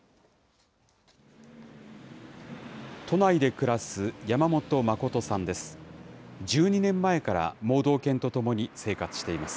都内で暮らす山本誠さんです。